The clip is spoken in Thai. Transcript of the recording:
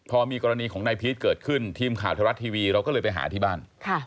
พอมีกรณีของนายพีชเกิดขึ้นทีมข่าวไทยรัฐทีวีเราก็เลยไปหาที่บ้าน